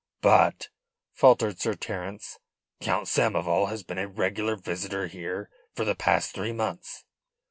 "But," faltered Sir Terence, "Count Samoval has been a regular visitor here for the past three months."